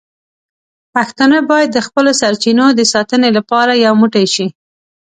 پښتانه باید د خپلو سرچینو د ساتنې لپاره یو موټی شي.